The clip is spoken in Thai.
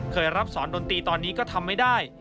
เคยรับสอนดนตรีตอนนี้ก็ทำไม่ได้